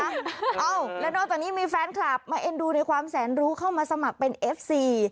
เอ้าแล้วนอกจากนี้มีแฟนคลับมาเอ็นดูในความแสนรู้เข้ามาสมัครเป็นเอฟซี